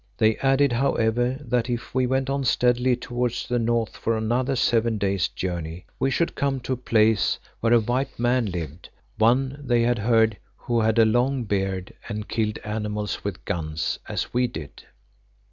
They added, however, that if we went on steadily towards the north for another seven days' journey, we should come to a place where a white man lived, one, they had heard, who had a long beard and killed animals with guns, as we did.